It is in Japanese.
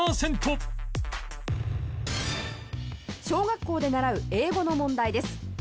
小学校で習う英語の問題です。